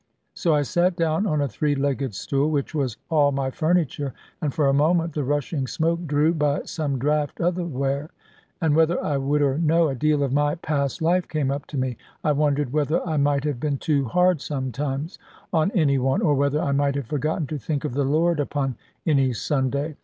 So I sate down on a three legged stool, which was all my furniture; and for a moment the rushing smoke drew, by some draught, otherwhere; and whether I would or no, a deal of my past life came up to me. I wondered whether I might have been too hard sometimes on any one, or whether I might have forgotten to think of the Lord, upon any Sunday.